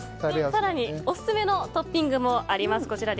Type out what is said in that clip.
更に、オススメのトッピングもあります。